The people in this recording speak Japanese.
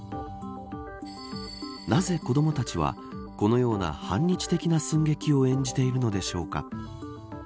なぜ子どもたちはこのような反日的な寸劇を演じているのでしょうか。